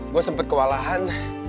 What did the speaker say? gue sempet kewalahan